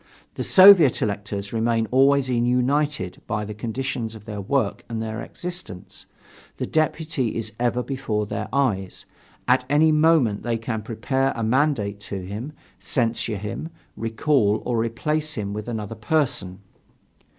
The Soviet electors remain always united by the conditions of their work and their existence; the deputy is ever before their eyes, at any moment they can prepare a mandate to him, censure him, recall or replace him with another person.